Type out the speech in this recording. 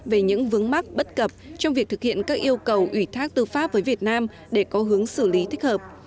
về những vướng mắc bất cập trong việc thực hiện các yêu cầu ủy thác tư pháp với việt nam để có hướng xử lý thích hợp